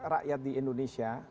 rakyat di indonesia